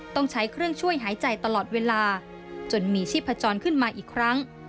ต้องใช้เครื่องช่วยหายใจตลอดเวลาจนมีชีพจรขึ้นมาอีกครั้ง